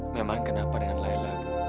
memang kenapa dengan layla